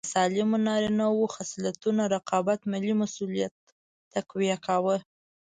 د سالمو نارینه خصلتونو رقابت ملي مسوولیت تقویه کاوه.